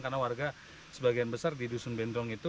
karena warga sebagian besar di dusun bendrong itu